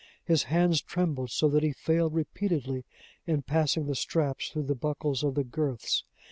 His hands trembled so that he failed repeatedly in passing the straps through the buckles of the girths.